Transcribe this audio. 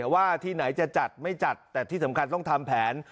ว่าที่ไหนจะจัดไม่จัดแต่ที่สำคัญต้องทำแผน